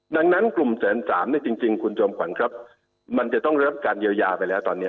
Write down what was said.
ดังนั้นกลุ่มแสนสามเนี่ยจริงคุณจอมขวัญครับมันจะต้องรับการเยียวยาไปแล้วตอนนี้